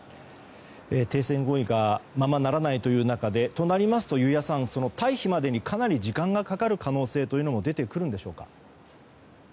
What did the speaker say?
停戦合意がままならないという中でとなりますと、湯屋さん退避までにかなり時間がかかる可能性も出てくるんでしょうか。